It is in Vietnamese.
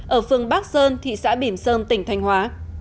ở phường bắc sơn thị xã bỉm sơn tỉnh thanh hóa